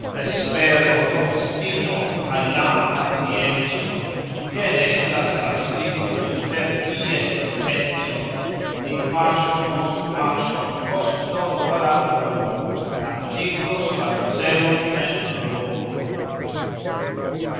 "L' espero, l' obstino", kaj "la pacienco" Jen estas la signoj, per kies potenco Ni pasxo post pasxo, post longa laboro, Atingos la celon en gloro.